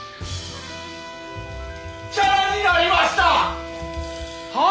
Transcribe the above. チャラになりました！はあ！？